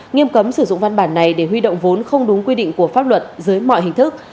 nghiêm cấm sử dụng văn bản này để huy động vốn không đúng quy định của pháp luật dưới mọi hình thức